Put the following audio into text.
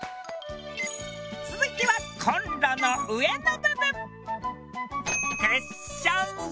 続いてはコンロの上の部分。